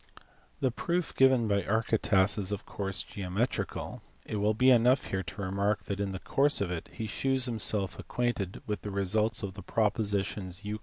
The proof given by Archytas is of course geometrical*; it will be enough here to remark that in the course of it he shews himself acquainted with the results of the propositions Euc.